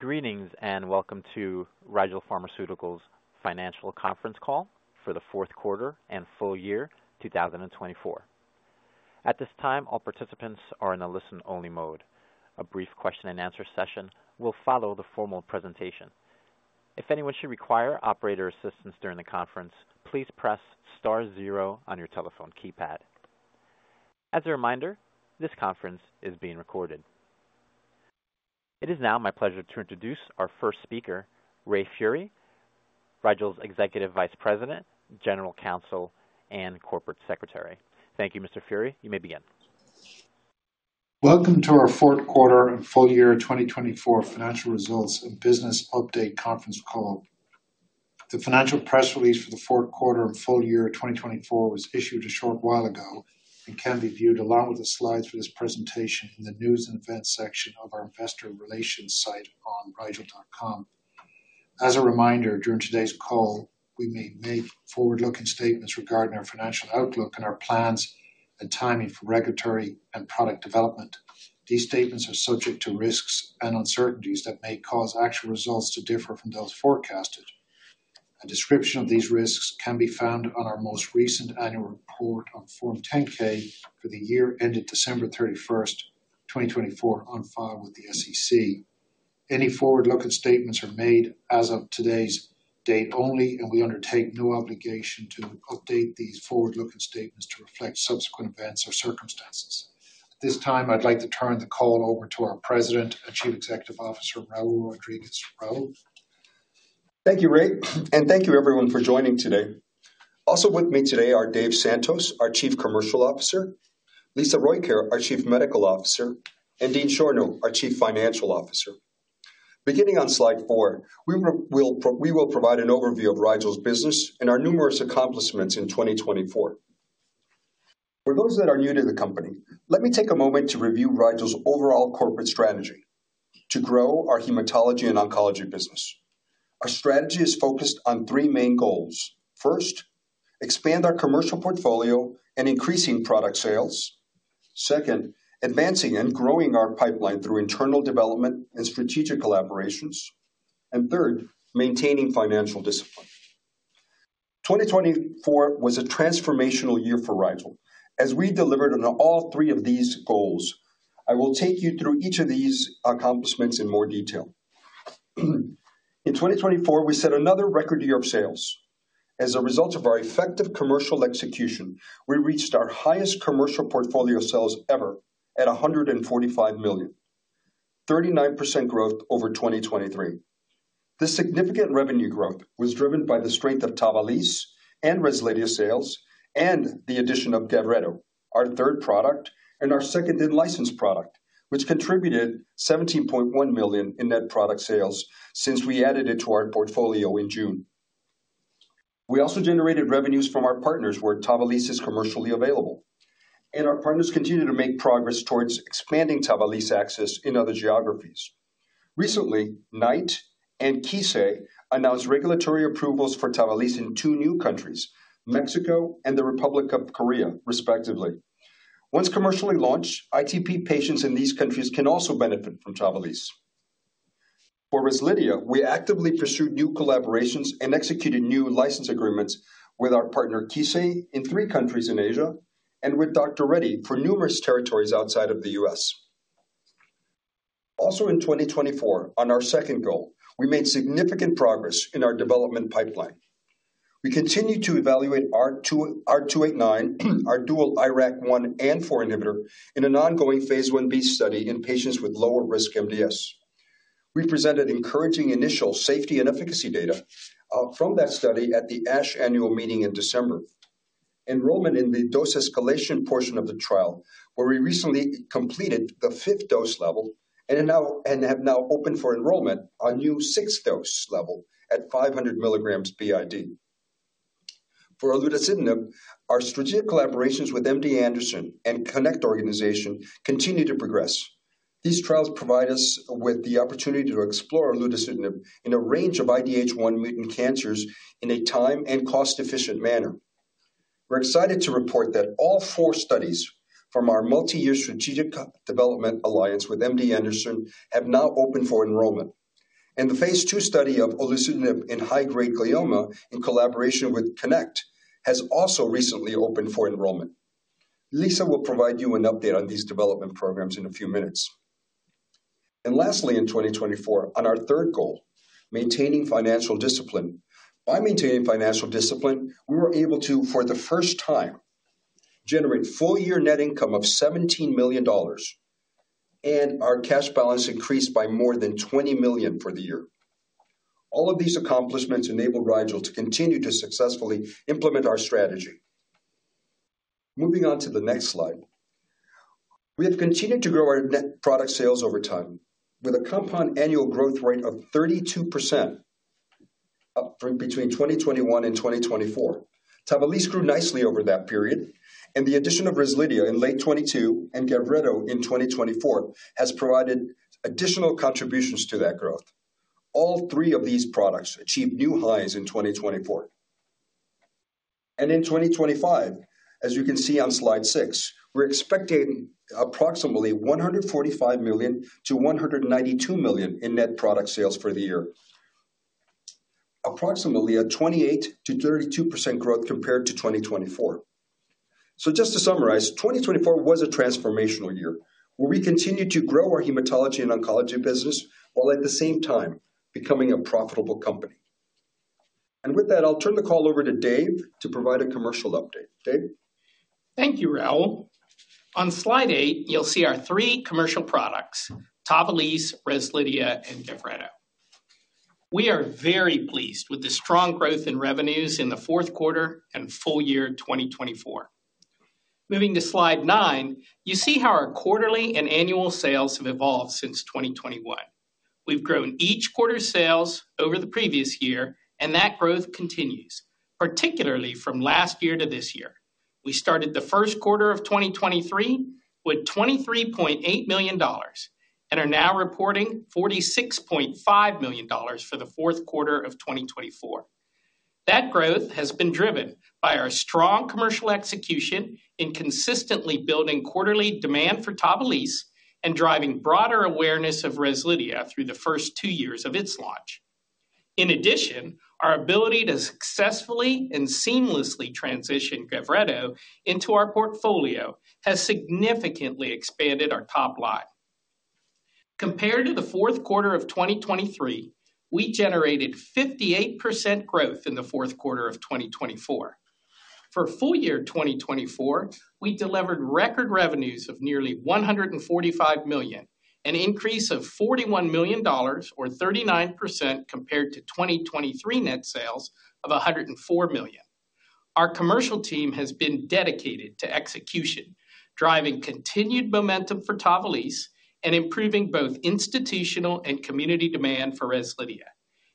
Greetings and welcome to Rigel Pharmaceuticals' financial conference call for the fourth quarter and full year, 2024. At this time, all participants are in a listen-only mode. A brief question-and-answer session will follow the formal presentation. If anyone should require operator assistance during the conference, please press star zero on your telephone keypad. As a reminder, this conference is being recorded. It is now my pleasure to introduce our first speaker, Ray Furey, Rigel's Executive Vice President, General Counsel, and Corporate Secretary. Thank you, Mr. Furey. You may begin. Welcome to our fourth quarter and full year 2024 financial results and business update conference call. The financial press release for the fourth quarter and full year 2024 was issued a short while ago and can be viewed along with the slides for this presentation in the news and events section of our investor relations site on rigel.com. As a reminder, during today's call, we may make forward-looking statements regarding our financial outlook and our plans and timing for regulatory and product development. These statements are subject to risks and uncertainties that may cause actual results to differ from those forecasted. A description of these risks can be found on our most recent annual report on Form 10-K for the year ended December 31st, 2024, on file with the SEC. Any forward-looking statements are made as of today's date only, and we undertake no obligation to update these forward-looking statements to reflect subsequent events or circumstances. At this time, I'd like to turn the call over to our President and Chief Executive Officer, Raul Rodriguez. Raul. Thank you, Ray, and thank you, everyone, for joining today. Also with me today are Dave Santos, our Chief Commercial Officer; Lisa Rojkjaer, our Chief Medical Officer; and Dean Schorno, our Chief Financial Officer. Beginning on slide four, we will provide an overview of Rigel's business and our numerous accomplishments in 2024. For those that are new to the company, let me take a moment to review Rigel's overall corporate strategy to grow our hematology and oncology business. Our strategy is focused on three main goals. First, expand our commercial portfolio and increasing product sales. Second, advancing and growing our pipeline through internal development and strategic collaborations. Third, maintaining financial discipline. 2024 was a transformational year for Rigel. As we delivered on all three of these goals, I will take you through each of these accomplishments in more detail. In 2024, we set another record year of sales. As a result of our effective commercial execution, we reached our highest commercial portfolio sales ever at $145 million, 39% growth over 2023. This significant revenue growth was driven by the strength of Tavalisse and Rezlidhia sales and the addition of Gavreto, our third product and our second in-license product, which contributed $17.1 million in net product sales since we added it to our portfolio in June. We also generated revenues from our partners where Tavalisse is commercially available, and our partners continue to make progress towards expanding Tavalisse access in other geographies. Recently, Knight and Kissei announced regulatory approvals for Tavalisse in two new countries, Mexico and the Republic of Korea, respectively. Once commercially launched, ITP patients in these countries can also benefit from Tavalisse. For Rezlidhia, we actively pursued new collaborations and executed new license agreements with our partner Kissei in three countries in Asia and with Dr. Reddy for numerous territories outside of the U.S. Also, in 2024, on our second goal, we made significant progress in our development pipeline. We continue to evaluate R289, our dual IRAK1 and 4 inhibitor, in an ongoing phase 1b study in patients with lower risk MDS. We presented encouraging initial safety and efficacy data from that study at the ASH annual meeting in December. Enrollment in the dose escalation portion of the trial, where we recently completed the fifth dose level, and have now opened for enrollment on a new sixth dose level at 500 milligrams b.i.d. For olutasidenib, our strategic collaborations with MD Anderson and Connect Organization continue to progress. These trials provide us with the opportunity to explore olutasidenib in a range of IDH1 mutant cancers in a time and cost-efficient manner. We are excited to report that all four studies from our multi-year strategic development alliance with MD Anderson have now opened for enrollment, and the phase two study of olutasidenib in high-grade glioma in collaboration with Connect has also recently opened for enrollment. Lisa will provide you an update on these development programs in a few minutes. Lastly, in 2024, on our third goal, maintaining financial discipline. By maintaining financial discipline, we were able to, for the first time, generate full year net income of $17 million, and our cash balance increased by more than $20 million for the year. All of these accomplishments enabled Rigel to continue to successfully implement our strategy. Moving on to the next slide, we have continued to grow our net product sales over time with a compound annual growth rate of 32% between 2021 and 2024. Tavalisse grew nicely over that period, and the addition of Rezlidhia in late 2022 and Gavreto in 2024 has provided additional contributions to that growth. All three of these products achieved new highs in 2024. In 2025, as you can see on slide six, we're expecting approximately $145 million-$192 million in net product sales for the year, approximately a 28%-32% growth compared to 2024. Just to summarize, 2024 was a transformational year where we continued to grow our hematology and oncology business while at the same time becoming a profitable company. With that, I'll turn the call over to Dave to provide a commercial update. Dave. Thank you, Raul. On slide eight, you'll see our three commercial products: Tavalisse, Rezlidhia, and Gavreto. We are very pleased with the strong growth in revenues in the fourth quarter and full year 2024. Moving to slide nine, you see how our quarterly and annual sales have evolved since 2021. We've grown each quarter's sales over the previous year, and that growth continues, particularly from last year to this year. We started the first quarter of 2023 with $23.8 million and are now reporting $46.5 million for the fourth quarter of 2024. That growth has been driven by our strong commercial execution in consistently building quarterly demand for Tavalisse and driving broader awareness of Rezlidhia through the first two years of its launch. In addition, our ability to successfully and seamlessly transition Gavreto into our portfolio has significantly expanded our top line. Compared to the fourth quarter of 2023, we generated 58% growth in the fourth quarter of 2024. For full year 2024, we delivered record revenues of nearly $145 million, an increase of $41 million, or 39% compared to 2023 net sales of $104 million. Our commercial team has been dedicated to execution, driving continued momentum for Tavalisse and improving both institutional and community demand for Rezlidhia,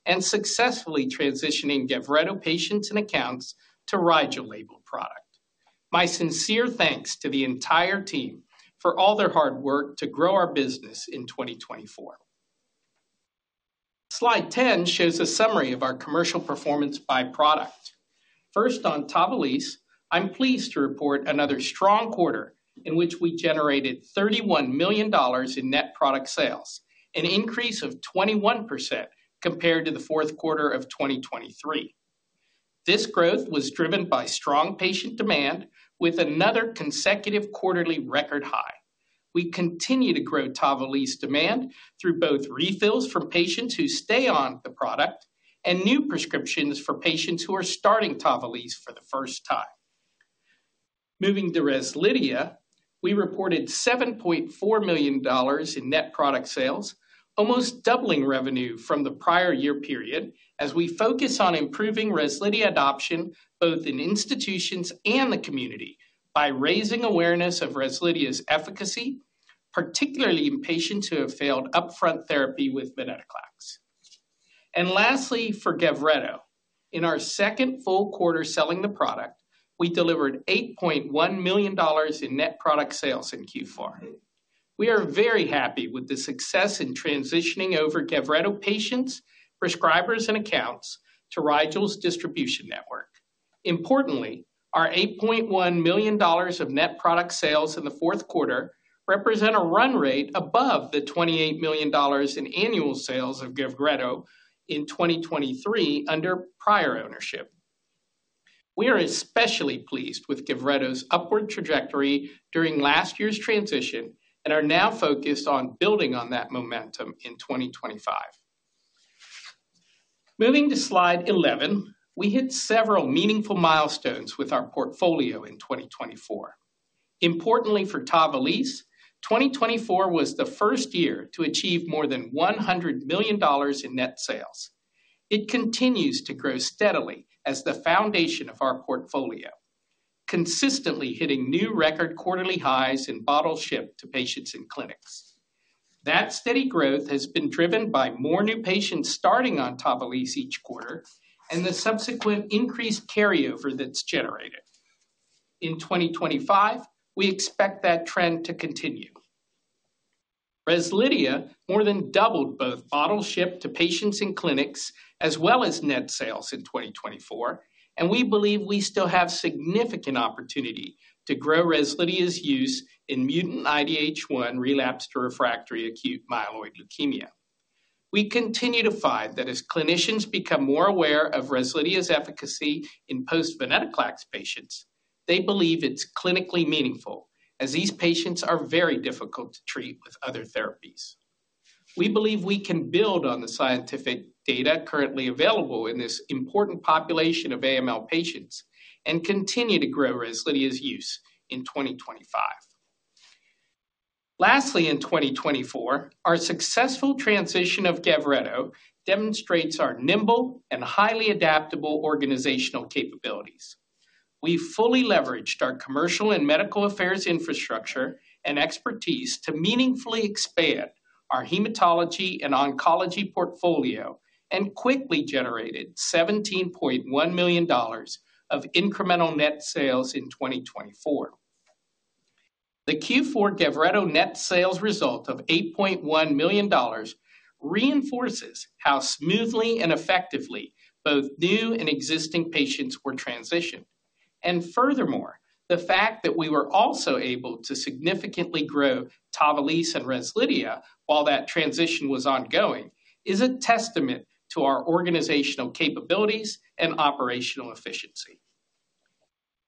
and successfully transitioning Gavreto patients and accounts to Rigel labeled product. My sincere thanks to the entire team for all their hard work to grow our business in 2024. Slide 10 shows a summary of our commercial performance by product. First, on Tavalisse, I'm pleased to report another strong quarter in which we generated $31 million in net product sales, an increase of 21% compared to the fourth quarter of 2023. This growth was driven by strong patient demand, with another consecutive quarterly record high. We continue to grow Tavalisse demand through both refills from patients who stay on the product and new prescriptions for patients who are starting Tavalisse for the first time. Moving to Rezlidhia, we reported $7.4 million in net product sales, almost doubling revenue from the prior year period as we focus on improving Rezlidhia adoption both in institutions and the community by raising awareness of Rezlidhia's efficacy, particularly in patients who have failed upfront therapy with venetoclax. Lastly, for Gavreto, in our second full quarter selling the product, we delivered $8.1 million in net product sales in Q4. We are very happy with the success in transitioning over Gavreto patients, prescribers, and accounts to Rigel's distribution network. Importantly, our $8.1 million of net product sales in the fourth quarter represent a run rate above the $28 million in annual sales of Gavreto in 2023 under prior ownership. We are especially pleased with Gavreto's upward trajectory during last year's transition and are now focused on building on that momentum in 2025. Moving to slide 11, we hit several meaningful milestones with our portfolio in 2024. Importantly, for Tavalisse, 2024 was the first year to achieve more than $100 million in net sales. It continues to grow steadily as the foundation of our portfolio, consistently hitting new record quarterly highs in bottle ship to patients in clinics. That steady growth has been driven by more new patients starting on Tavalisse each quarter and the subsequent increased carryover that's generated. In 2025, we expect that trend to continue. Rezlidhia more than doubled both bottle ship to patients in clinics as well as net sales in 2024, and we believe we still have significant opportunity to grow Rezlidhia's use in mutant IDH1 relapsed or refractory acute myeloid leukemia. We continue to find that as clinicians become more aware of Rezlidhia's efficacy in post-venetoclax patients, they believe it's clinically meaningful as these patients are very difficult to treat with other therapies. We believe we can build on the scientific data currently available in this important population of AML patients and continue to grow Rezlidhia's use in 2025. Lastly, in 2024, our successful transition of Gavreto demonstrates our nimble and highly adaptable organizational capabilities. We fully leveraged our commercial and medical affairs infrastructure and expertise to meaningfully expand our hematology and oncology portfolio and quickly generated $17.1 million of incremental net sales in 2024. The Q4 Gavreto net sales result of $8.1 million reinforces how smoothly and effectively both new and existing patients were transitioned. Furthermore, the fact that we were also able to significantly grow Tavalisse and Rezlidhia while that transition was ongoing is a testament to our organizational capabilities and operational efficiency.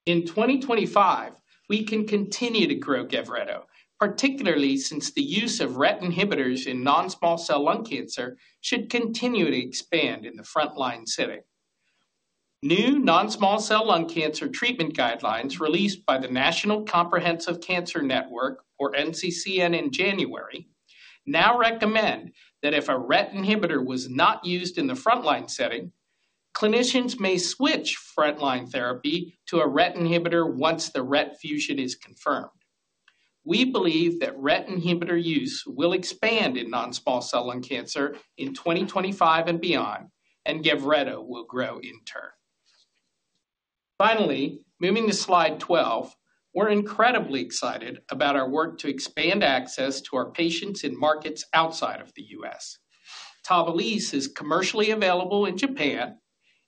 In 2025, we can continue to grow Gavreto, particularly since the use of RET inhibitors in non-small cell lung cancer should continue to expand in the frontline setting. New non-small cell lung cancer treatment guidelines released by the National Comprehensive Cancer Network, or NCCN, in January now recommend that if a RET inhibitor was not used in the frontline setting, clinicians may switch frontline therapy to a RET inhibitor once the RET fusion is confirmed. We believe that RET inhibitor use will expand in non-small cell lung cancer in 2025 and beyond, and Gavreto will grow in turn. Finally, moving to slide 12, we're incredibly excited about our work to expand access to our patients in markets outside of the US. Tavalisse is commercially available in Japan,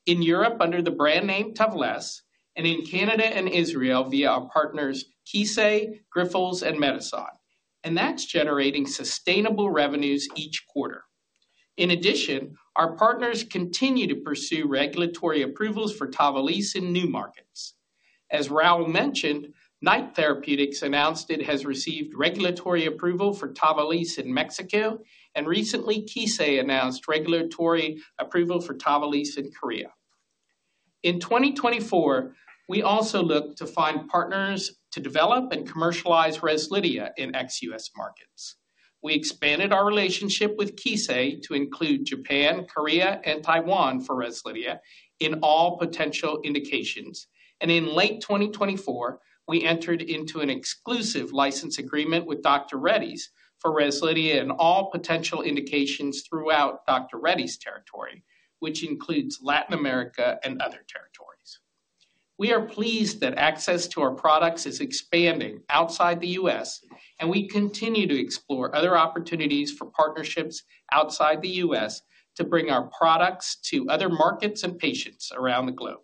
in Europe under the brand name Tavlesse, and in Canada and Israel via our partners Kissei, Grifols, and Medison, and that's generating sustainable revenues each quarter. In addition, our partners continue to pursue regulatory approvals for Tavalisse in new markets. As Raul mentioned, Knight Therapeutics announced it has received regulatory approval for Tavalisse in Mexico, and recently Kissei announced regulatory approval for Tavalisse in Korea. In 2024, we also looked to find partners to develop and commercialize Rezlidhia in ex-US markets. We expanded our relationship with Kissei to include Japan, Korea, and Taiwan for Rezlidhia in all potential indications. In late 2024, we entered into an exclusive license agreement with Dr. Reddy's for Rezlidhia in all potential indications throughout Dr. Reddy's territory, which includes Latin America and other territories. We are pleased that access to our products is expanding outside the US, and we continue to explore other opportunities for partnerships outside the US to bring our products to other markets and patients around the globe.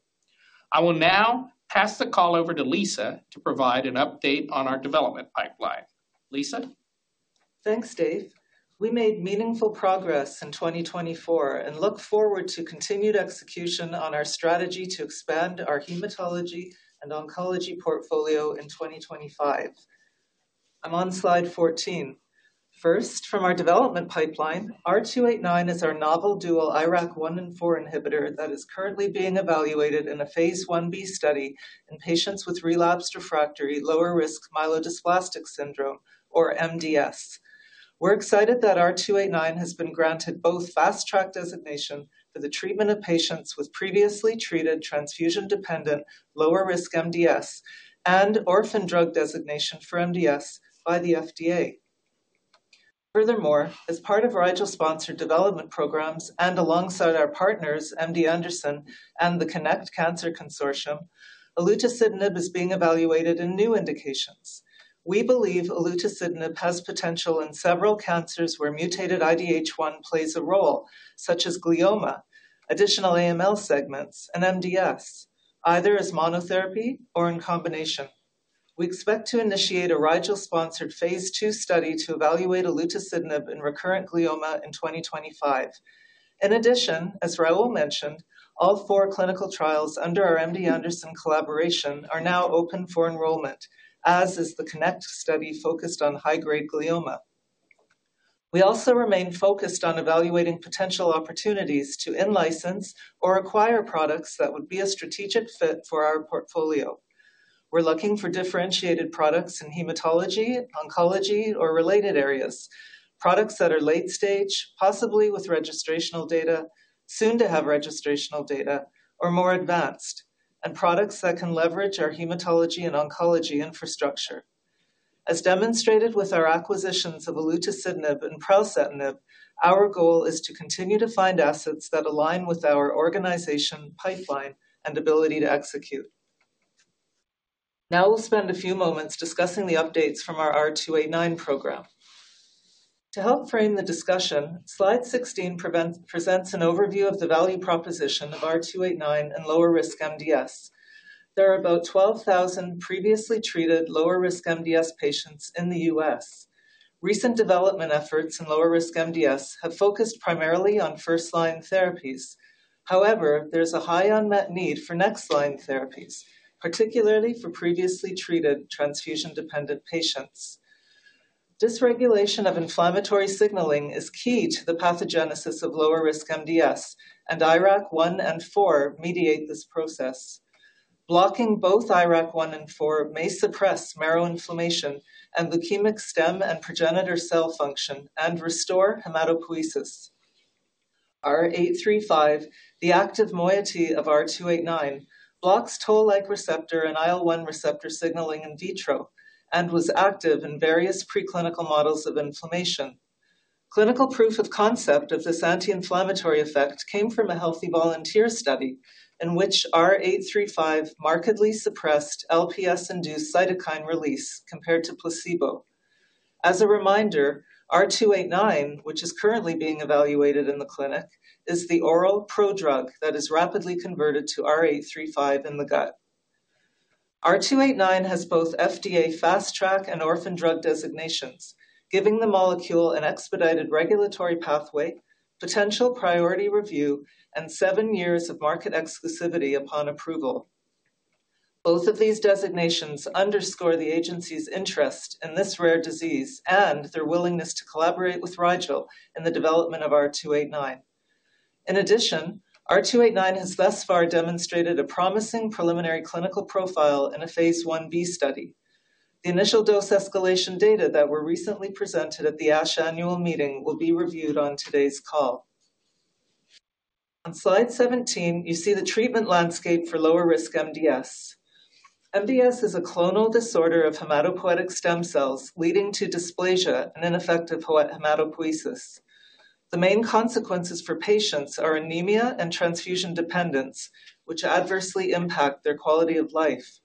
I will now pass the call over to Lisa to provide an update on our development pipeline. Lisa. Thanks, Dave. We made meaningful progress in 2024 and look forward to continued execution on our strategy to expand our hematology and oncology portfolio in 2025. I'm on slide 14. First, from our development pipeline, R289 is our novel dual IRAK1 and 4 inhibitor that is currently being evaluated in a phase one B study in patients with relapsed refractory lower risk myelodysplastic syndrome, or MDS. We're excited that R289 has been granted both fast track designation for the treatment of patients with previously treated transfusion dependent lower risk MDS and orphan drug designation for MDS by the FDA. Furthermore, as part of Rigel sponsored development programs and alongside our partners, MD Anderson and the Connect Cancer Consortium, olutasidenib is being evaluated in new indications. We believe olutasidenib has potential in several cancers where mutated IDH1 plays a role, such as glioma, additional AML segments, and MDS, either as monotherapy or in combination. We expect to initiate a Rigel sponsored phase two study to evaluate olutasidenib in recurrent glioma in 2025. In addition, as Raul mentioned, all four clinical trials under our MD Anderson collaboration are now open for enrollment, as is the Connect study focused on high-grade glioma. We also remain focused on evaluating potential opportunities to in-license or acquire products that would be a strategic fit for our portfolio. We're looking for differentiated products in hematology, oncology, or related areas, products that are late stage, possibly with registrational data, soon to have registrational data, or more advanced, and products that can leverage our hematology and oncology infrastructure. As demonstrated with our acquisitions of olutasidenib and Pralsetinib, our goal is to continue to find assets that align with our organization pipeline and ability to execute. Now we'll spend a few moments discussing the updates from our R289 program. To help frame the discussion, slide 16 presents an overview of the value proposition of R289 and lower risk MDS. There are about 12,000 previously treated lower risk MDS patients in the US. Recent development efforts in lower risk MDS have focused primarily on first line therapies. However, there's a high unmet need for next line therapies, particularly for previously treated transfusion dependent patients. Dysregulation of inflammatory signaling is key to the pathogenesis of lower risk MDS, and IRAK1 and 4 mediate this process. Blocking both IRAK1 and 4 may suppress marrow inflammation and leukemic stem and progenitor cell function and restore hematopoiesis. R835, the active moiety of R289, blocks toll-like receptor and IL-1 receptor signaling in vitro and was active in various preclinical models of inflammation. Clinical proof of concept of this anti-inflammatory effect came from a healthy volunteer study in which R835 markedly suppressed LPS-induced cytokine release compared to placebo. As a reminder, R289, which is currently being evaluated in the clinic, is the oral pro drug that is rapidly converted to R835 in the gut. R289 has both FDA fast track and orphan drug designations, giving the molecule an expedited regulatory pathway, potential priority review, and seven years of market exclusivity upon approval. Both of these designations underscore the agency's interest in this rare disease and their willingness to collaborate with Rigel in the development of R289. In addition, R289 has thus far demonstrated a promising preliminary clinical profile in a phase one B study. The initial dose escalation data that were recently presented at the ASH annual meeting will be reviewed on today's call. On slide 17, you see the treatment landscape for lower risk MDS. MDS is a clonal disorder of hematopoietic stem cells leading to dysplasia and ineffective hematopoiesis. The main consequences for patients are anemia and transfusion dependence, which adversely impact their quality of life.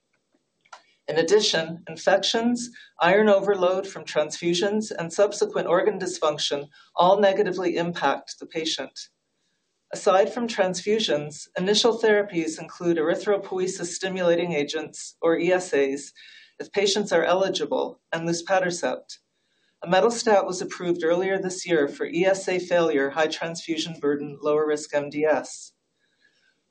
In addition, infections, iron overload from transfusions, and subsequent organ dysfunction all negatively impact the patient. Aside from transfusions, initial therapies include erythropoiesis-stimulating agents, or ESAs, if patients are eligible, and luspatercept. imetelstat was approved earlier this year for ESA failure, high transfusion burden, lower risk MDS.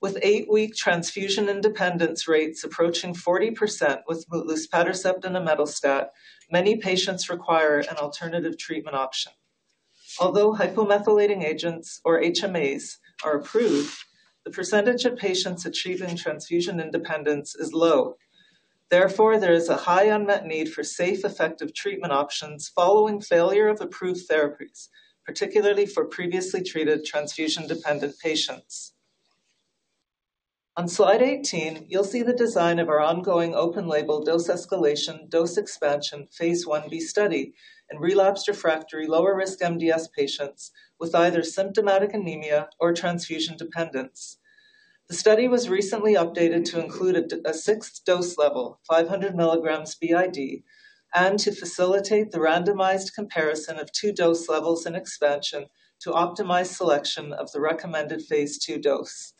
With eight-week transfusion independence rates approaching 40% with luspatercept and imetelstat, many patients require an alternative treatment option. Although hypomethylating agents, or HMAs, are approved, the percentage of patients achieving transfusion independence is low. Therefore, there is a high unmet need for safe, effective treatment options following failure of approved therapies, particularly for previously treated transfusion dependent patients. On slide 18, you'll see the design of our ongoing open label dose escalation, dose expansion, phase one B study in relapsed refractory lower risk MDS patients with either symptomatic anemia or transfusion dependence. The study was recently updated to include a sixth dose level, 500 mg b.i.d., and to facilitate the randomized comparison of two dose levels in expansion to optimize selection of the recommended phase two dose.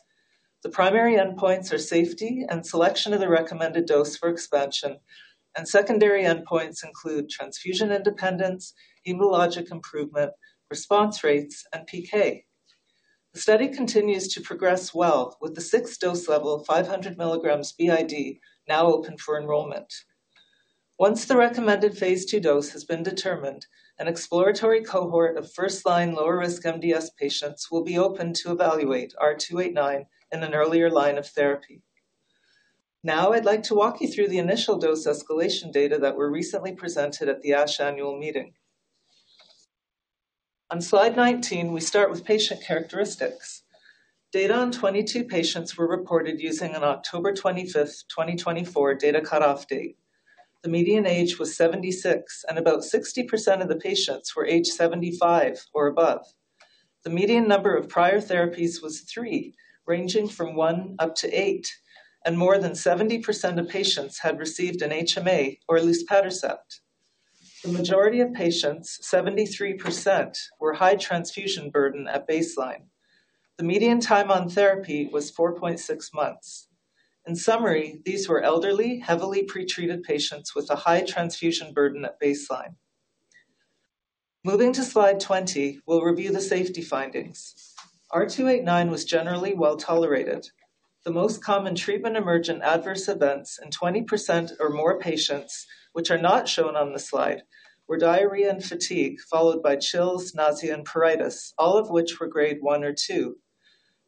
The primary endpoints are safety and selection of the recommended dose for expansion, and secondary endpoints include transfusion independence, hematologic improvement, response rates, and PK. The study continues to progress well with the sixth dose level, 500 mg b.i.d., now open for enrollment. Once the recommended phase two dose has been determined, an exploratory cohort of first line lower risk MDS patients will be open to evaluate R289 in an earlier line of therapy. Now I'd like to walk you through the initial dose escalation data that were recently presented at the ASH annual meeting. On slide 19, we start with patient characteristics. Data on 22 patients were reported using an October 25th, 2024 data cutoff date. The median age was 76, and about 60% of the patients were age 75 or above. The median number of prior therapies was three, ranging from one up to eight, and more than 70% of patients had received an HMA or luspatercept. The majority of patients, 73%, were high transfusion burden at baseline. The median time on therapy was 4.6 months. In summary, these were elderly, heavily pretreated patients with a high transfusion burden at baseline. Moving to slide 20, we'll review the safety findings. R289 was generally well tolerated. The most common treatment emergent adverse events in 20% or more patients, which are not shown on the slide, were diarrhea and fatigue followed by chills, nausea, and pruritus, all of which were grade one or two.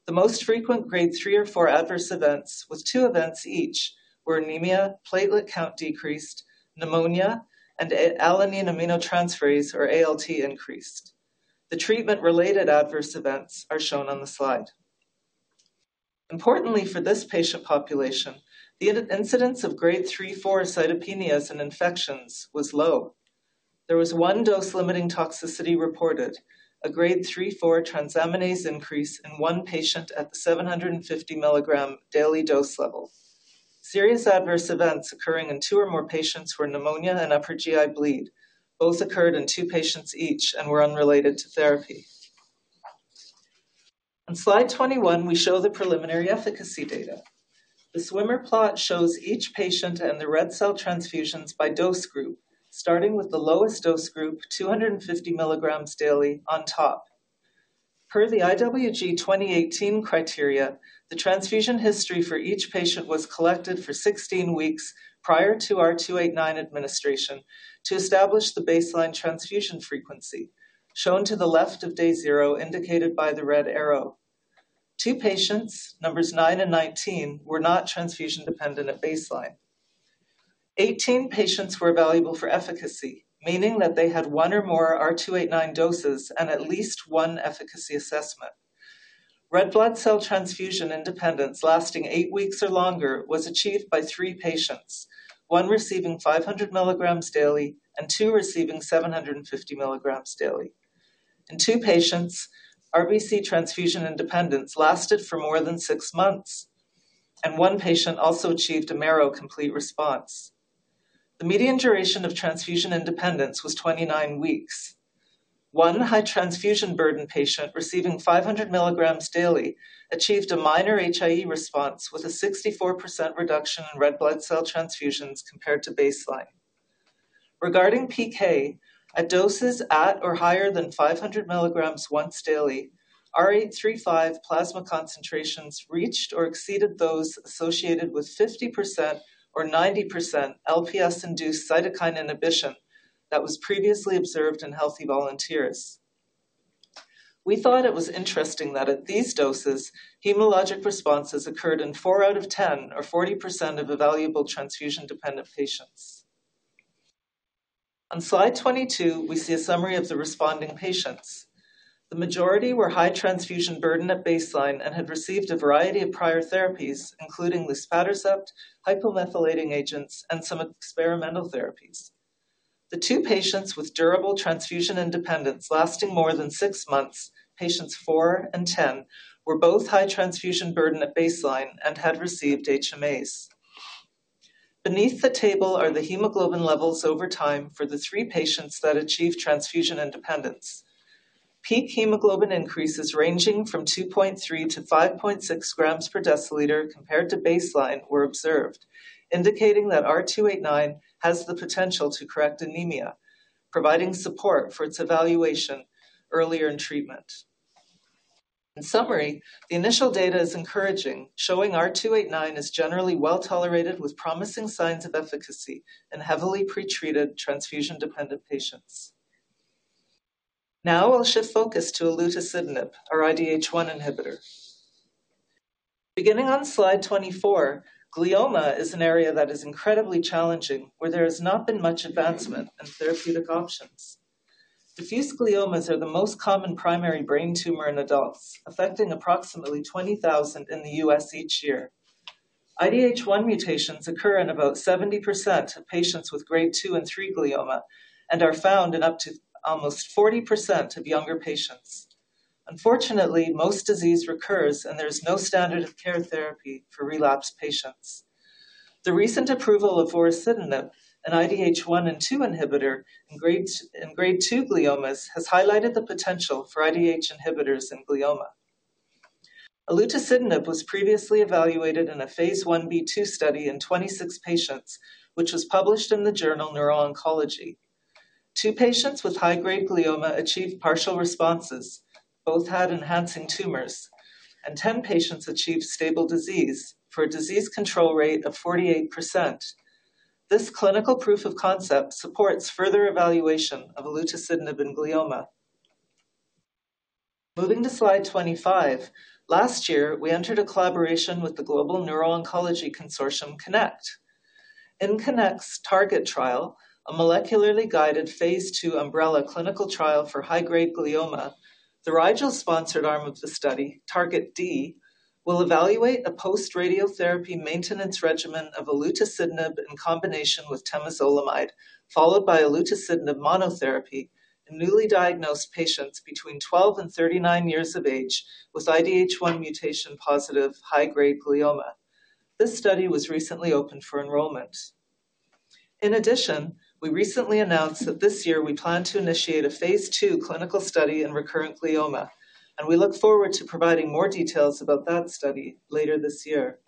The most frequent grade three or four adverse events, with two events each, were anemia, platelet count decreased, pneumonia, and alanine aminotransferase, or ALT, increased. The treatment-related adverse events are shown on the slide. Importantly, for this patient population, the incidence of grade three, four cytopenias and infections was low. There was one dose-limiting toxicity reported, a grade three, four transaminase increase in one patient at the 750 milligram daily dose level. Serious adverse events occurring in two or more patients were pneumonia and upper GI bleed. Both occurred in two patients each and were unrelated to therapy. On slide 21, we show the preliminary efficacy data. The swimmer plot shows each patient and the red cell transfusions by dose group, starting with the lowest dose group, 250 milligrams daily, on top. Per the IWG 2018 criteria, the transfusion history for each patient was collected for 16 weeks prior to R289 administration to establish the baseline transfusion frequency, shown to the left of day zero, indicated by the red arrow. Two patients, numbers nine and 19, were not transfusion dependent at baseline. Eighteen patients were valuable for efficacy, meaning that they had one or more R289 doses and at least one efficacy assessment. Red blood cell transfusion independence lasting eight weeks or longer was achieved by three patients, one receiving 500 milligrams daily and two receiving 750 milligrams daily. In two patients, RBC transfusion independence lasted for more than six months, and one patient also achieved a marrow complete response. The median duration of transfusion independence was 29 weeks. One high transfusion burden patient receiving 500 mg daily achieved a minor HIE response with a 64% reduction in red blood cell transfusions compared to baseline. Regarding PK, at doses at or higher than 500 mg once daily, R835 plasma concentrations reached or exceeded those associated with 50% or 90% LPS-induced cytokine inhibition that was previously observed in healthy volunteers. We thought it was interesting that at these doses, hematologic responses occurred in four out of 10 or 40% of evaluable transfusion dependent patients. On slide 22, we see a summary of the responding patients. The majority were high transfusion burden at baseline and had received a variety of prior therapies, including luspatercept, hypomethylating agents, and some experimental therapies. The two patients with durable transfusion independence lasting more than six months, patients four and 10, were both high transfusion burden at baseline and had received HMAs. Beneath the table are the hemoglobin levels over time for the three patients that achieved transfusion independence. Peak hemoglobin increases ranging from 2.3-5.6 grams per deciliter compared to baseline were observed, indicating that R289 has the potential to correct anemia, providing support for its evaluation earlier in treatment. In summary, the initial data is encouraging, showing R289 is generally well tolerated with promising signs of efficacy in heavily pretreated transfusion dependent patients. Now I'll shift focus to olutasidenib, our IDH1 inhibitor. Beginning on slide 24, glioma is an area that is incredibly challenging where there has not been much advancement in therapeutic options. Diffuse gliomas are the most common primary brain tumor in adults, affecting approximately 20,000 in the U.S. each year. IDH1 mutations occur in about 70% of patients with grade two and three glioma and are found in up to almost 40% of younger patients. Unfortunately, most disease recurs and there is no standard of care therapy for relapsed patients. The recent approval of vorasidenib, an IDH1 and 2 inhibitor in grade two gliomas, has highlighted the potential for IDH inhibitors in glioma. olutasidenib was previously evaluated in a phase one B2 study in 26 patients, which was published in the journal Neuro-Oncology. Two patients with high-grade glioma achieved partial responses. Both had enhancing tumors, and 10 patients achieved stable disease for a disease control rate of 48%. This clinical proof of concept supports further evaluation of olutasidenib and glioma. Moving to slide 25, last year, we entered a collaboration with the Global Neuro-Oncology Consortium Connect. In Connect's target trial, a molecularly guided phase two umbrella clinical trial for high-grade glioma, the Rigel-sponsored arm of the study, target D, will evaluate a post-radiotherapy maintenance regimen of olutasidenib in combination with temozolomide, followed by olutasidenib monotherapy in newly diagnosed patients between 12 and 39 years of age with IDH1 mutation positive high-grade glioma. This study was recently opened for enrollment. In addition, we recently announced that this year we plan to initiate a phase two clinical study in recurrent glioma, and we look forward to providing more details about that study later this year.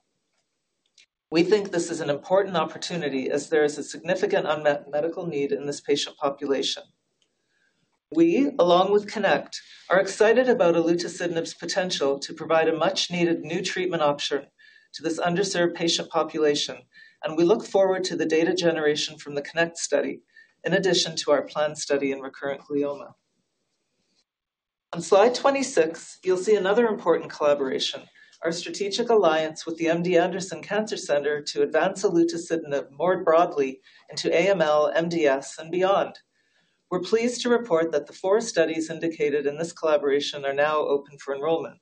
We think this is an important opportunity as there is a significant unmet medical need in this patient population. We, along with Connect, are excited about olutasidenib's potential to provide a much-needed new treatment option to this underserved patient population, and we look forward to the data generation from the Connect study in addition to our planned study in recurrent glioma. On slide 26, you'll see another important collaboration, our strategic alliance with the MD Anderson Cancer Center to advance olutasidenib more broadly into AML, MDS, and beyond. We're pleased to report that the four studies indicated in this collaboration are now open for enrollment.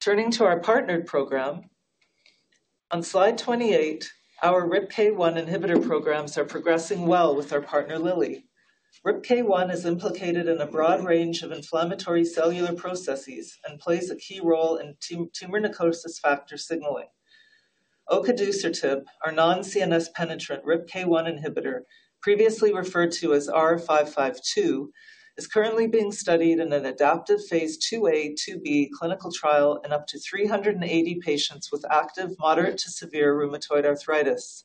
Turning to our partnered program, on slide 28, our RIPK1 inhibitor programs are progressing well with our partner Lilly. RIPK1 is implicated in a broad range of inflammatory cellular processes and plays a key role in tumor necrosis factor signaling. Ocaducertib, our non-CNS penetrant RIPK1 inhibitor, previously referred to as R552, is currently being studied in an adaptive phase 2a, 2b clinical trial in up to 380 patients with active moderate to severe rheumatoid arthritis.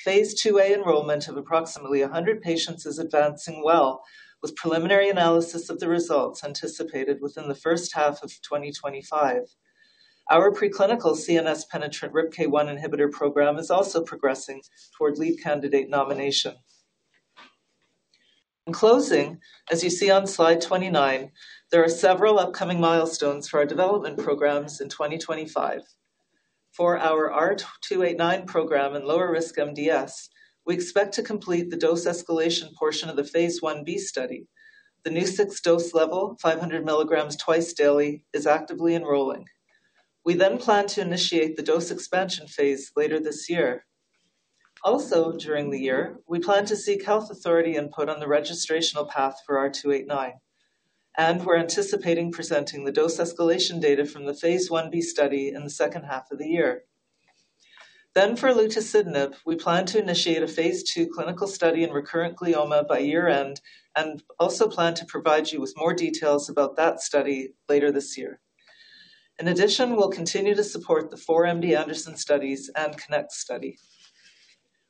Phase 2a enrollment of approximately 100 patients is advancing well, with preliminary analysis of the results anticipated within the first half of 2025. Our preclinical CNS penetrant RIPK1 inhibitor program is also progressing toward lead candidate nomination. In closing, as you see on slide 29, there are several upcoming milestones for our development programs in 2025. For our R289 program in lower risk MDS, we expect to complete the dose escalation portion of the phase 1b study. The new sixth dose level, 500 milligrams twice daily, is actively enrolling. We then plan to initiate the dose expansion phase later this year. Also, during the year, we plan to seek health authority input on the registrational path for R289, and we're anticipating presenting the dose escalation data from the phase one B study in the second half of the year. For olutasidenib, we plan to initiate a phase two clinical study in recurrent glioma by year-end and also plan to provide you with more details about that study later this year. In addition, we'll continue to support the four MD Anderson studies and Connect study.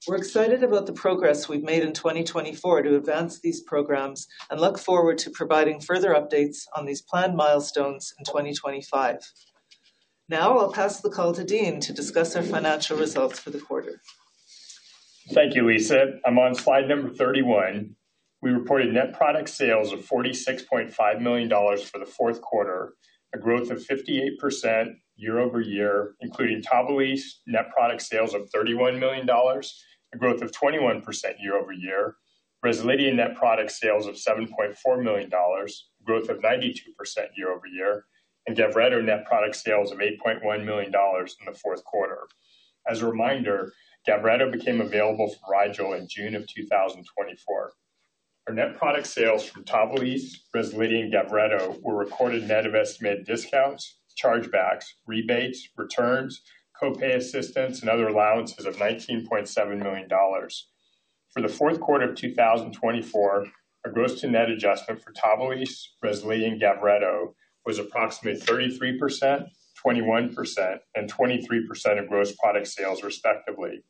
We're excited about the progress we've made in 2024 to advance these programs and look forward to providing further updates on these planned milestones in 2025. Now I'll pass the call to Dean to discuss our financial results for the quarter. Thank you, Lisa. I'm on slide number 31. We reported net product sales of $46.5 million for the fourth quarter, a growth of 58% year over year, including Tavalisse net product sales of $31 million, a growth of 21% year over year, Rezlidhia net product sales of $7.4 million, a growth of 92% year over year, and Gavreto net product sales of $8.1 million in the fourth quarter. As a reminder, Gavreto became available from Rigel in June of 2024. Our net product sales from Tavalisse, Rezlidhia, and Gavreto were recorded net of estimated discounts, chargebacks, rebates, returns, copay assistance, and other allowances of $19.7 million. For the fourth quarter of 2024, our gross-to-net adjustment for Tavalisse, Rezlidhia, and Gavreto was approximately 33%, 21%, and 23% of gross product sales, respectively.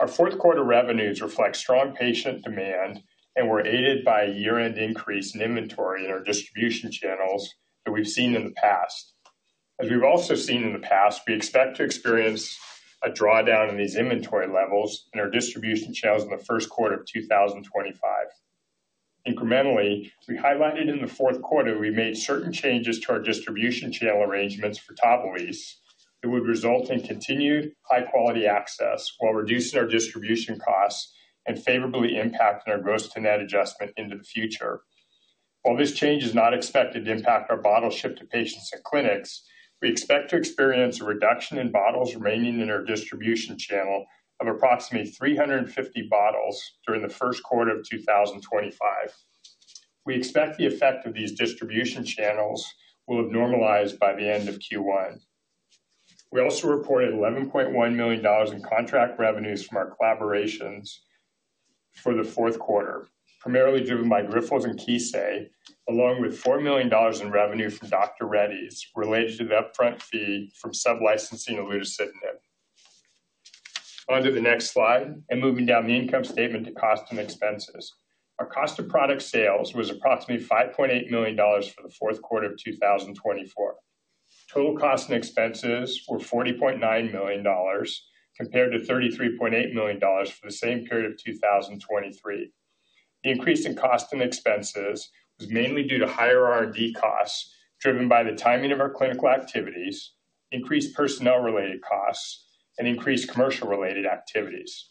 Our fourth quarter revenues reflect strong patient demand and were aided by a year-end increase in inventory in our distribution channels that we've seen in the past. As we've also seen in the past, we expect to experience a drawdown in these inventory levels in our distribution channels in the first quarter of 2025. Incrementally, we highlighted in the fourth quarter we made certain changes to our distribution channel arrangements for Tavalisse that would result in continued high-quality access while reducing our distribution costs and favorably impacting our gross-to-net adjustment into the future. While this change is not expected to impact our bottle ship to patients and clinics, we expect to experience a reduction in bottles remaining in our distribution channel of approximately 350 bottles during the first quarter of 2025. We expect the effect of these distribution channels will have normalized by the end of Q1. We also reported $11.1 million in contract revenues from our collaborations for the fourth quarter, primarily driven by Grifols and Kissei, along with $4 million in revenue from Dr. Reddy's. Reddy's related to the upfront fee from sub-licensing olutasidenib. On to the next slide and moving down the income statement to cost and expenses. Our cost of product sales was approximately $5.8 million for the fourth quarter of 2024. Total cost and expenses were $40.9 million compared to $33.8 million for the same period of 2023. The increase in cost and expenses was mainly due to higher R&D costs driven by the timing of our clinical activities, increased personnel-related costs, and increased commercial-related activities.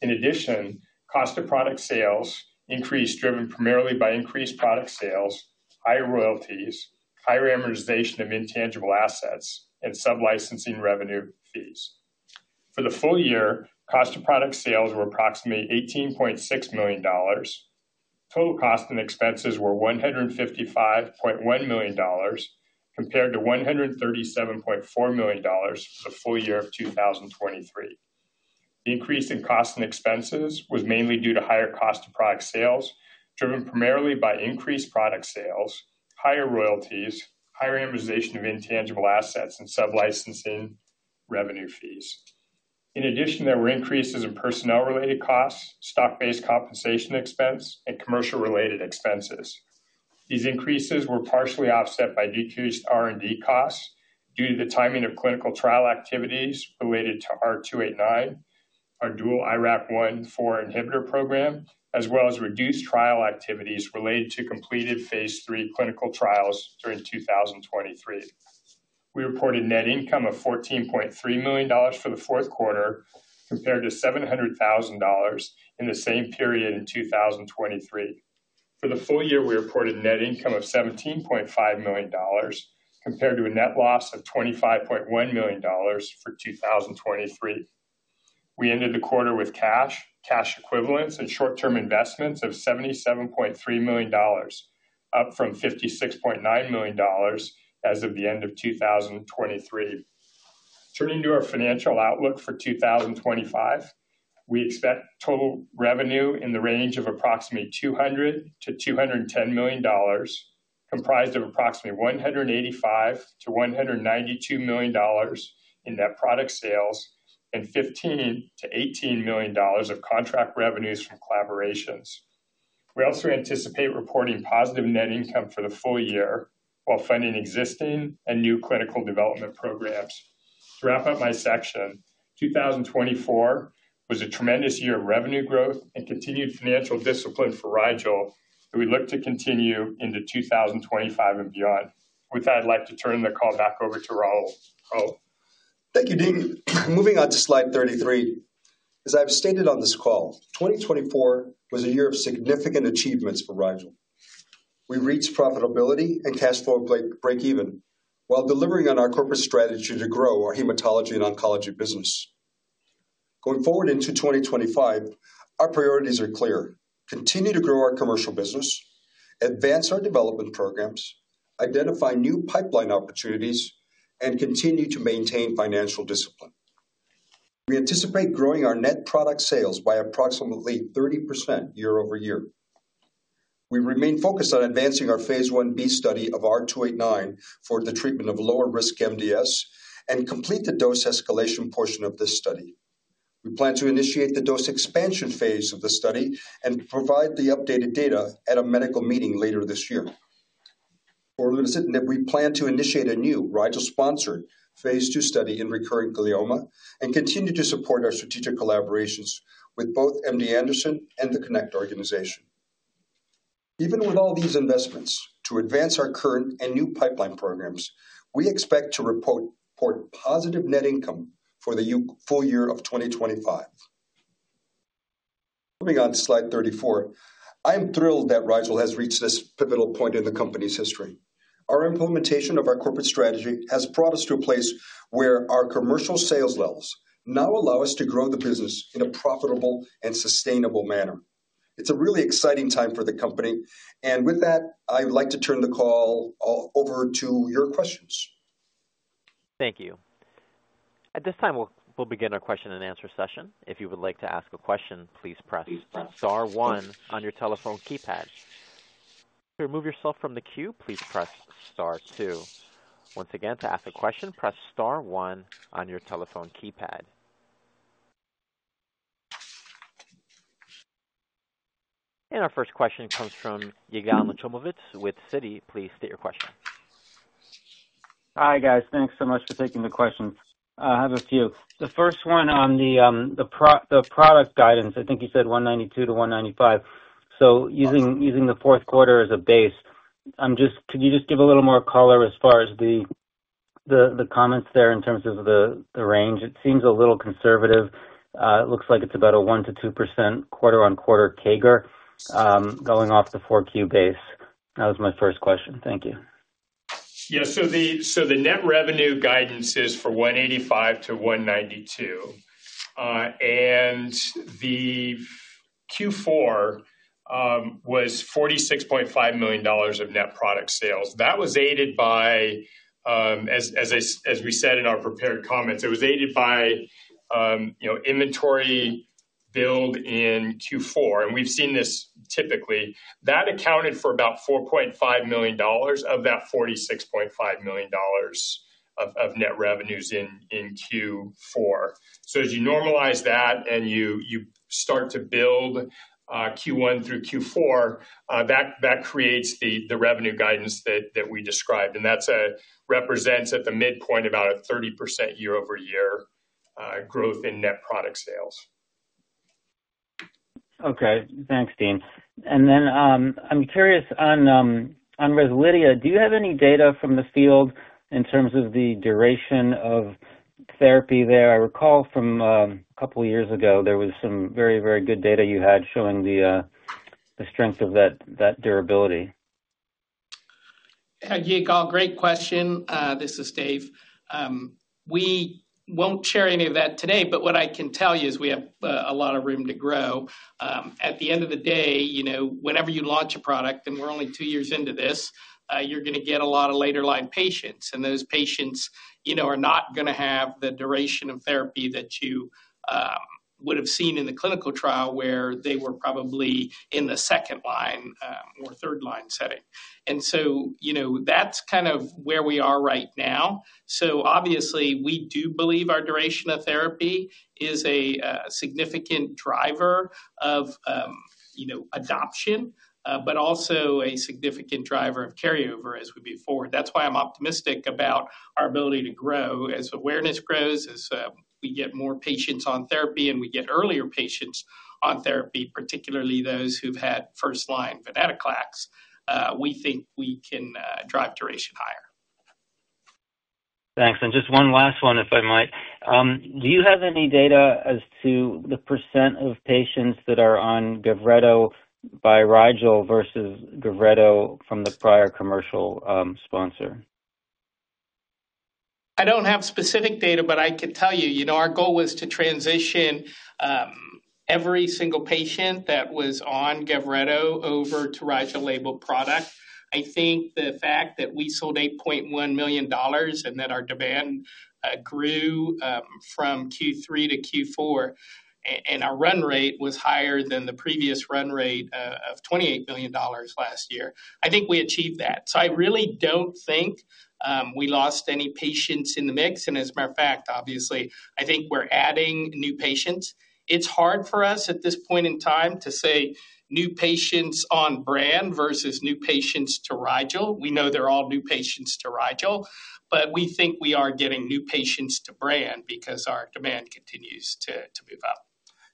In addition, cost of product sales increased driven primarily by increased product sales, higher royalties, higher amortization of intangible assets, and sub-licensing revenue fees. For the full year, cost of product sales were approximately $18.6 million. Total cost and expenses were $155.1 million compared to $137.4 million for the full year of 2023. The increase in cost and expenses was mainly due to higher cost of product sales driven primarily by increased product sales, higher royalties, higher amortization of intangible assets, and sub-licensing revenue fees. In addition, there were increases in personnel-related costs, stock-based compensation expense, and commercial-related expenses. These increases were partially offset by decreased R&D costs due to the timing of clinical trial activities related to R289, our dual IRAK1/4 inhibitor program, as well as reduced trial activities related to completed phase three clinical trials during 2023. We reported net income of $14.3 million for the fourth quarter compared to $700,000 in the same period in 2023. For the full year, we reported net income of $17.5 million compared to a net loss of $25.1 million for 2023. We ended the quarter with cash, cash equivalents, and short-term investments of $77.3 million, up from $56.9 million as of the end of 2023. Turning to our financial outlook for 2025, we expect total revenue in the range of approximately $200-$210 million, comprised of approximately $185-$192 million in net product sales and $15-$18 million of contract revenues from collaborations. We also anticipate reporting positive net income for the full year while funding existing and new clinical development programs. To wrap up my section, 2024 was a tremendous year of revenue growth and continued financial discipline for Rigel that we look to continue into 2025 and beyond. With that, I'd like to turn the call back over to Raul Rodriguez. Thank you, Dean. Moving on to slide 33. As I've stated on this call, 2024 was a year of significant achievements for Rigel. We reached profitability and cash flow break-even while delivering on our corporate strategy to grow our hematology and oncology business. Going forward into 2025, our priorities are clear: continue to grow our commercial business, advance our development programs, identify new pipeline opportunities, and continue to maintain financial discipline. We anticipate growing our net product sales by approximately 30% year over year. We remain focused on advancing our phase I b study of R289 for the treatment of lower risk MDS and complete the dose escalation portion of this study. We plan to initiate the dose expansion phase of the study and provide the updated data at a medical meeting later this year. For olutasidenib, we plan to initiate a new Rigel-sponsored phase II study in recurrent glioma and continue to support our strategic collaborations with both MD Anderson and the Connect Organization. Even with all these investments, to advance our current and new pipeline programs, we expect to report positive net income for the full year of 2025. Moving on to slide 34, I am thrilled that Rigel has reached this pivotal point in the company's history. Our implementation of our corporate strategy has brought us to a place where our commercial sales levels now allow us to grow the business in a profitable and sustainable manner. It's a really exciting time for the company. With that, I'd like to turn the call over to your questions. Thank you. At this time, we'll begin our question-and-answer session. If you would like to ask a question, please press Star 1 on your telephone keypad. To remove yourself from the queue, please press Star 2. Once again, to ask a question, press Star 1 on your telephone keypad. Our first question comes from Yigal Nochomovitz with Citi. Please state your question. Hi guys. Thanks so much for taking the questions. I have a few. The first one on the product guidance, I think you said 192-195. Using the fourth quarter as a base, could you just give a little more color as far as the comments there in terms of the range? It seems a little conservative. It looks like it is about a 1-2% quarter-on-quarter CAGR going off the Q4 base. That was my first question. Thank you. Yeah. The net revenue guidance is for 185-192. The Q4 was $46.5 million of net product sales. That was aided by, as we said in our prepared comments, it was aided by inventory build in Q4. We have seen this typically. That accounted for about $4.5 million of that $46.5 million of net revenues in Q4. As you normalize that and you start to build Q1 through Q4, that creates the revenue guidance that we described. That represents at the midpoint about a 30% year-over-year growth in net product sales. Okay. Thanks, Dean. I am curious on Rezlidhia. Do you have any data from the field in terms of the duration of therapy there? I recall from a couple of years ago, there was some very, very good data you had showing the strength of that durability. Yeah, Yigal, great question. This is Dave. We will not share any of that today, but what I can tell you is we have a lot of room to grow. At the end of the day, whenever you launch a product, and we're only two years into this, you're going to get a lot of later-line patients. Those patients are not going to have the duration of therapy that you would have seen in the clinical trial where they were probably in the second line or third line setting. That is kind of where we are right now. Obviously, we do believe our duration of therapy is a significant driver of adoption, but also a significant driver of carryover as we move forward. That is why I'm optimistic about our ability to grow. As awareness grows, as we get more patients on therapy and we get earlier patients on therapy, particularly those who've had first-line venetoclax, we think we can drive duration higher. Thanks. Just one last one, if I might. Do you have any data as to the percent of patients that are on Gavreto by Rigel versus Gavreto from the prior commercial sponsor? I don't have specific data, but I can tell you our goal was to transition every single patient that was on Gavreto over to Rigel labeled product. I think the fact that we sold $8.1 million and that our demand grew from Q3 to Q4 and our run rate was higher than the previous run rate of $28 million last year, I think we achieved that. I really don't think we lost any patients in the mix. As a matter of fact, obviously, I think we're adding new patients. It's hard for us at this point in time to say new patients on brand versus new patients to Rigel. We know they're all new patients to Rigel, but we think we are getting new patients to brand because our demand continues to move up.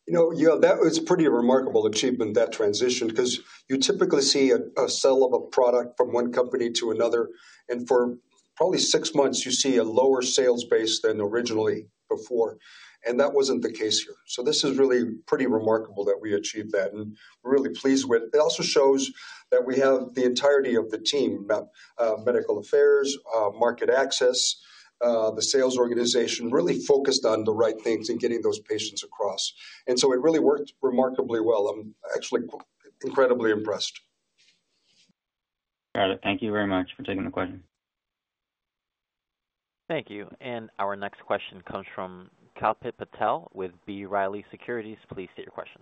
You know, Yigal, that was a pretty remarkable achievement, that transition, because you typically see a sell of a product from one company to another. For probably six months, you see a lower sales base than originally before. That wasn't the case here. This is really pretty remarkable that we achieved that. We're really pleased with it. It also shows that we have the entirety of the team, medical affairs, market access, the sales organization, really focused on the right things and getting those patients across. It really worked remarkably well. I'm actually incredibly impressed. Got it. Thank you very much for taking the question. Thank you. Our next question comes from Kalpit Patel with B. Riley Securities. Please state your question.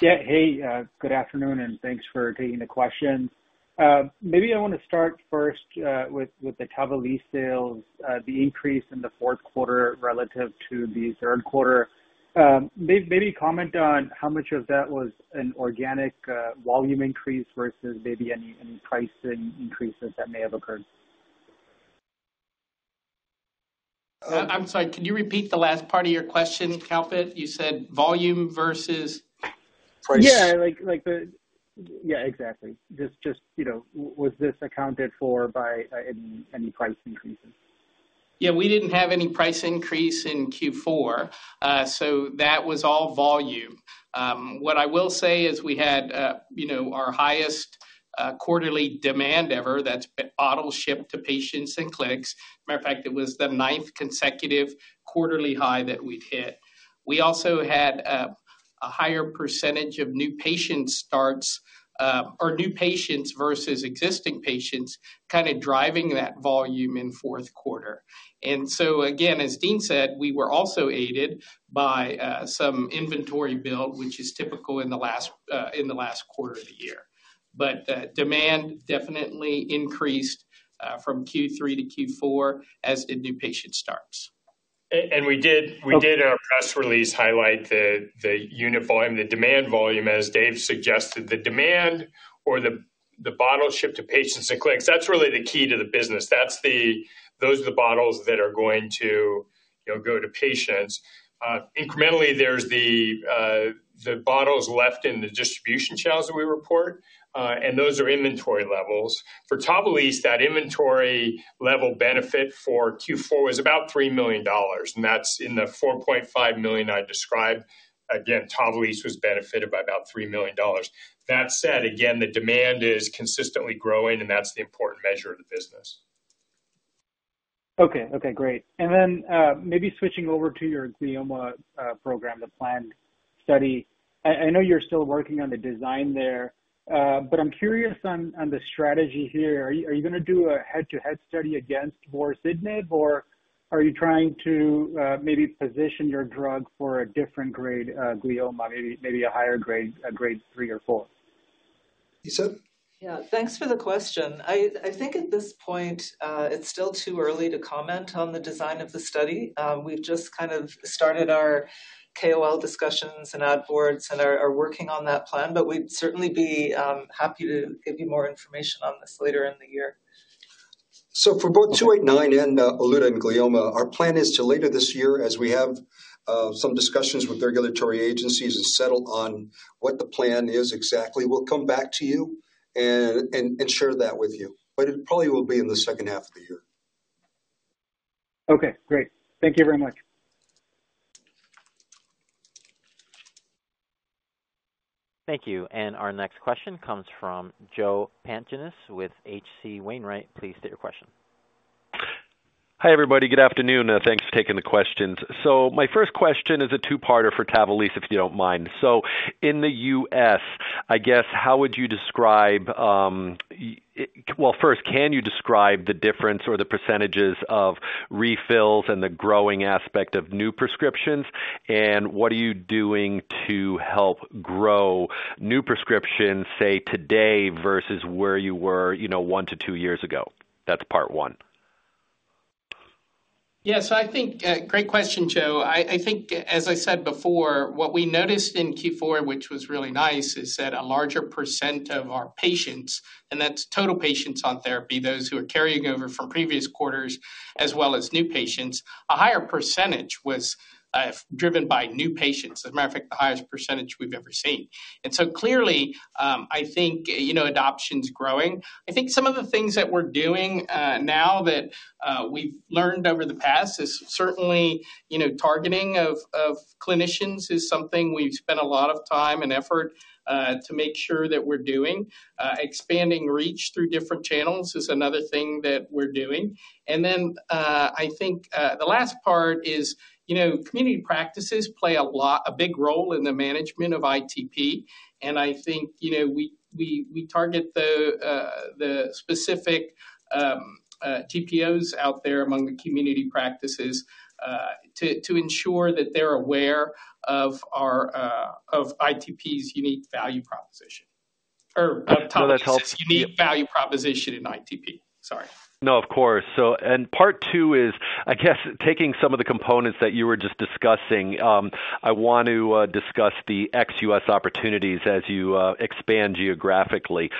Yeah. Hey, good afternoon, and thanks for taking the question. Maybe I want to start first with the Tavalisse sales, the increase in the fourth quarter relative to the third quarter. Maybe comment on how much of that was an organic volume increase versus maybe any pricing increases that may have occurred. I'm sorry. Can you repeat the last part of your question, Kalpit? You said volume versus price. Yeah. Yeah, exactly. Just was this accounted for by any price increases? Yeah. We didn't have any price increase in Q4. So that was all volume. What I will say is we had our highest quarterly demand ever. That's bottles shipped to patients and clinics. As a matter of fact, it was the ninth consecutive quarterly high that we'd hit. We also had a higher percentage of new patient starts or new patients versus existing patients kind of driving that volume in fourth quarter. As Dean said, we were also aided by some inventory build, which is typical in the last quarter of the year. Demand definitely increased from Q3 to Q4 as the new patient starts. We did in our press release highlight the unit volume, the demand volume, as Dave suggested. The demand or the bottles shipped to patients and clinics, that's really the key to the business. Those are the bottles that are going to go to patients. Incrementally, there's the bottles left in the distribution channels that we report, and those are inventory levels. For Tavalisse, that inventory level benefit for Q4 was about $3 million. That's in the $4.5 million I described. Again, Tavalisse was benefited by about $3 million. That said, again, the demand is consistently growing, and that's the important measure of the business. Okay. Okay. Great. And then maybe switching over to your glioma program, the planned study. I know you're still working on the design there, but I'm curious on the strategy here. Are you going to do a head-to-head study against vorasidenib, or are you trying to maybe position your drug for a different grade glioma, maybe a higher grade, grade three or four? You said? Yeah. Thanks for the question. I think at this point, it's still too early to comment on the design of the study. We've just kind of started our KOL discussions and ad boards and are working on that plan, but we'd certainly be happy to give you more information on this later in the year. For both 289 and Aluta and glioma, our plan is to later this year, as we have some discussions with regulatory agencies and settle on what the plan is exactly, we will come back to you and share that with you. It probably will be in the second half of the year. Okay. Great. Thank you very much. Thank you. Our next question comes from Joe Pantginis with H.C. Wainwright. Please state your question. Hi everybody. Good afternoon. Thanks for taking the questions. My first question is a two-parter for Tavalisse, if you do not mind. In the U.S., I guess, how would you describe—first, can you describe the difference or the percentages of refills and the growing aspect of new prescriptions? What are you doing to help grow new prescriptions, say, today versus where you were one to two years ago? That is part one. Yeah. I think great question, Joe. I think, as I said before, what we noticed in Q4, which was really nice, is that a larger % of our patients—and that's total patients on therapy, those who are carrying over from previous quarters as well as new patients—a higher % was driven by new patients. As a matter of fact, the highest % we've ever seen. Clearly, I think adoption's growing. I think some of the things that we're doing now that we've learned over the past is certainly targeting of clinicians is something we've spent a lot of time and effort to make sure that we're doing. Expanding reach through different channels is another thing that we're doing. I think the last part is community practices play a big role in the management of ITP. I think we target the specific TPOs out there among the community practices to ensure that they're aware of ITP's unique value proposition or topics of unique value proposition in ITP. Sorry. No, of course. Part two is, I guess, taking some of the components that you were just discussing, I want to discuss the XUS opportunities as you expand geographically.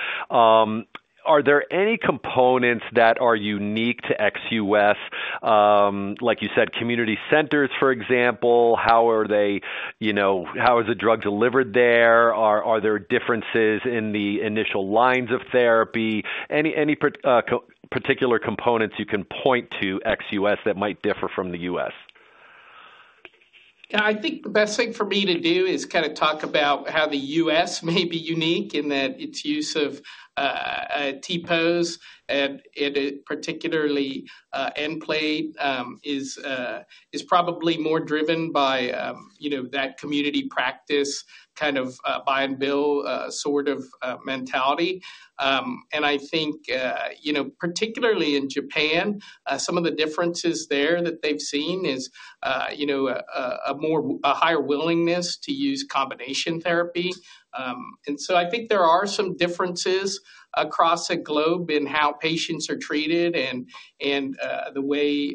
Are there any components that are unique to XUS? Like you said, community centers, for example, how are they—how is the drug delivered there? Are there differences in the initial lines of therapy? Any particular components you can point to XUS that might differ from the US? Yeah. I think the best thing for me to do is kind of talk about how the U.S. may be unique in that its use of TPOs and particularly Nplate is probably more driven by that community practice kind of buy-and-bill sort of mentality. I think particularly in Japan, some of the differences there that they've seen is a higher willingness to use combination therapy. I think there are some differences across the globe in how patients are treated and the way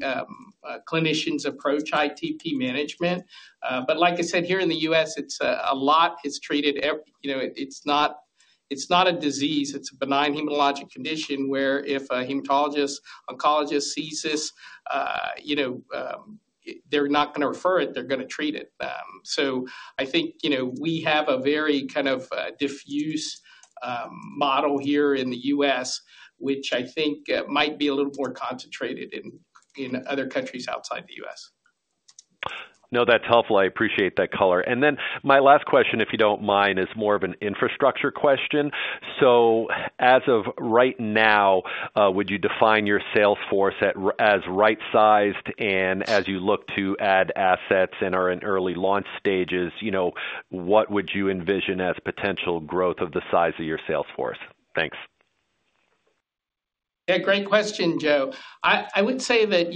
clinicians approach ITP management. Like I said, here in the U.S., a lot is treated. It's not a disease. It's a benign hematologic condition where if a hematologist, oncologist sees this, they're not going to refer it. They're going to treat it. I think we have a very kind of diffuse model here in the U.S., which I think might be a little more concentrated in other countries outside the U.S. No, that's helpful. I appreciate that color. My last question, if you don't mind, is more of an infrastructure question. As of right now, would you define your sales force as right-sized? As you look to add assets and are in early launch stages, what would you envision as potential growth of the size of your sales force? Thanks. Yeah. Great question, Joe. I would say that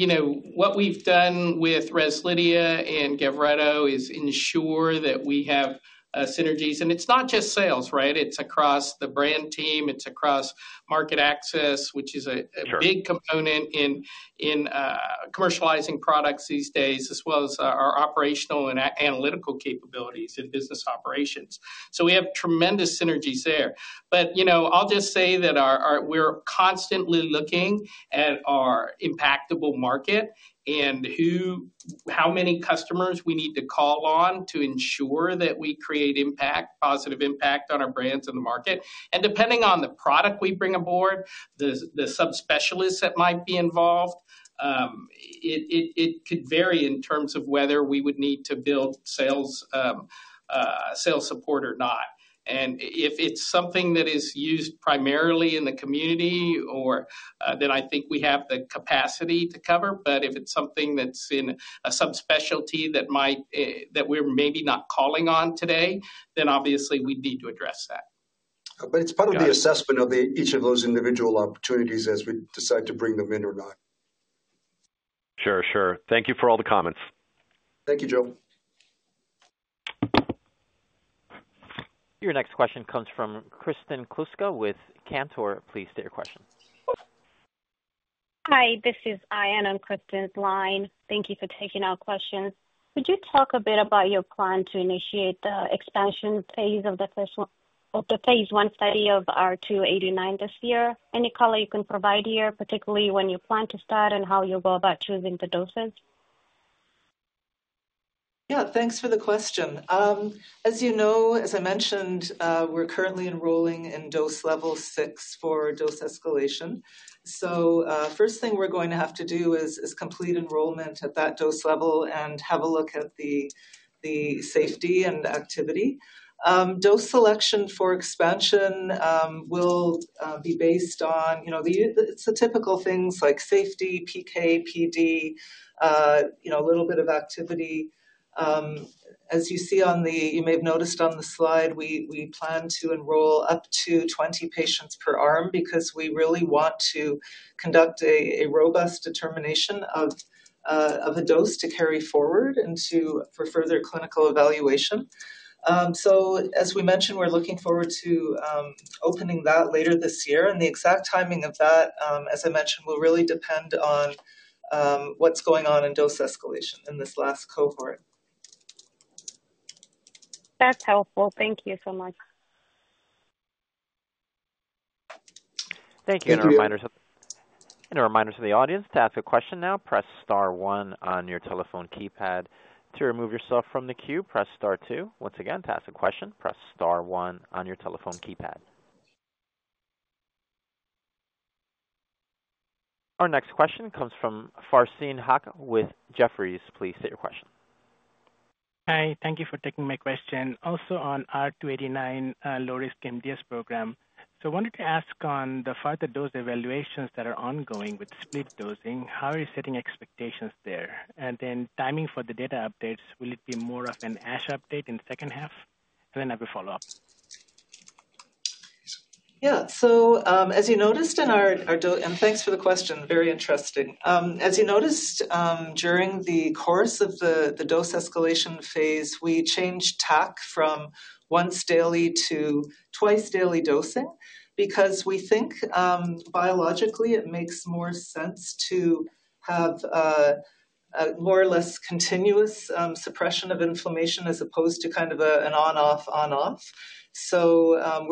what we've done with Rezlidhia and Gavreto is ensure that we have synergies. It's not just sales, right? It's across the brand team. It's across market access, which is a big component in commercializing products these days, as well as our operational and analytical capabilities in business operations. We have tremendous synergies there. I'll just say that we're constantly looking at our impactable market and how many customers we need to call on to ensure that we create impact, positive impact on our brands and the market. Depending on the product we bring aboard, the subspecialists that might be involved, it could vary in terms of whether we would need to build sales support or not. If it's something that is used primarily in the community, then I think we have the capacity to cover. If it's something that's in a subspecialty that we're maybe not calling on today, then obviously we need to address that. It's part of the assessment of each of those individual opportunities as we decide to bring them in or not. Sure. Sure. Thank you for all the comments. Thank you, Joe. Your next question comes from Kristen Kluska with Cantor. Please state your question. Hi. This is Ayan on Kristen's line. Thank you for taking our questions. Could you talk a bit about your plan to initiate the expansion phase of the phase one study of R289 this year? Any color you can provide here, particularly when you plan to start and how you'll go about choosing the doses? Yeah. Thanks for the question. As you know, as I mentioned, we're currently enrolling in dose level six for dose escalation. The first thing we're going to have to do is complete enrollment at that dose level and have a look at the safety and activity. Dose selection for expansion will be based on the typical things like safety, PK, PD, a little bit of activity. As you see on the—you may have noticed on the slide—we plan to enroll up to 20 patients per arm because we really want to conduct a robust determination of a dose to carry forward and for further clinical evaluation. As we mentioned, we're looking forward to opening that later this year. The exact timing of that, as I mentioned, will really depend on what's going on in dose escalation in this last cohort. That's helpful. Thank you so much. Thank you. Thank you. A reminder to the audience to ask a question now. Press star one on your telephone keypad. To remove yourself from the queue, press star two. Once again, to ask a question, press star one on your telephone keypad. Our next question comes from Farzin Haque with Jefferies. Please state your question. Hi. Thank you for taking my question. Also on R289 low-risk MDS program. I wanted to ask on the further dose evaluations that are ongoing with split dosing, how are you setting expectations there? Then timing for the data updates, will it be more of an ASH update in the second half? I have a follow-up. Yeah. As you noticed in our—and thanks for the question. Very interesting. As you noticed, during the course of the dose escalation phase, we changed TAC from once daily to twice daily dosing because we think biologically it makes more sense to have more or less continuous suppression of inflammation as opposed to kind of an on-off, on-off. We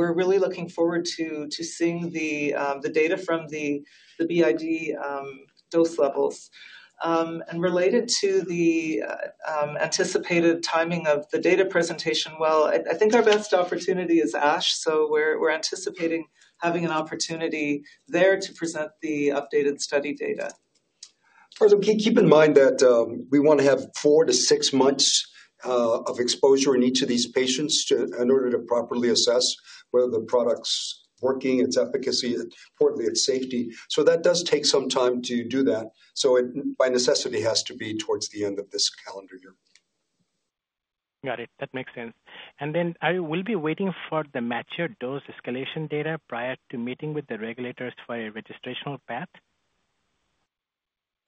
are really looking forward to seeing the data from the BID dose levels. Related to the anticipated timing of the data presentation, I think our best opportunity is ASH. We're anticipating having an opportunity there to present the updated study data. Keep in mind that we want to have four to six months of exposure in each of these patients in order to properly assess whether the product's working, its efficacy, and importantly, its safety. That does take some time to do that. By necessity, it has to be towards the end of this calendar year. Got it. That makes sense. Are you—we'll be waiting for the mature dose escalation data prior to meeting with the regulators for a registrational path?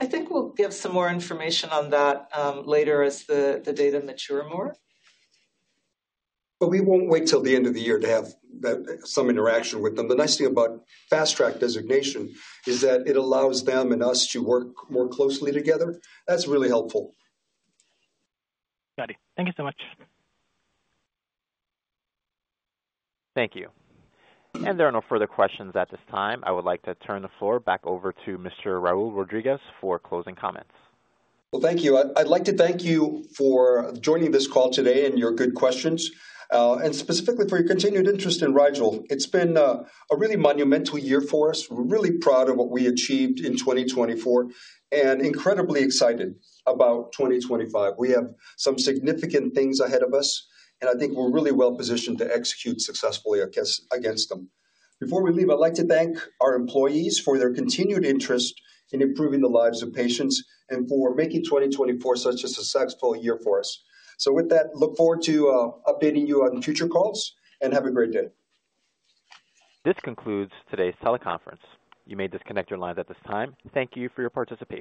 I think we'll give some more information on that later as the data mature more. We won't wait till the end of the year to have some interaction with them. The nice thing about fast-track designation is that it allows them and us to work more closely together. That's really helpful. Got it. Thank you so much. Thank you. There are no further questions at this time. I would like to turn the floor back over to Mr. Raul Rodriguez for closing comments. Thank you. I'd like to thank you for joining this call today and your good questions. Specifically, for your continued interest in Rigel. It's been a really monumental year for us. We're really proud of what we achieved in 2024 and incredibly excited about 2025. We have some significant things ahead of us, and I think we're really well positioned to execute successfully against them. Before we leave, I'd like to thank our employees for their continued interest in improving the lives of patients and for making 2024 such a successful year for us. With that, look forward to updating you on future calls and have a great day. This concludes today's teleconference. You may disconnect your lines at this time. Thank you for your participation.